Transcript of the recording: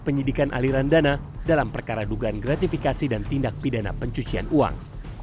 penyidikan aliran dana dalam perkara dugaan gratifikasi dan tindak pidana pencucian uang